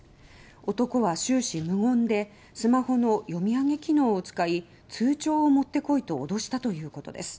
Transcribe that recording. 男は終始無言でスマホの読み上げ機能を使い通帳を持ってこいと脅したということです。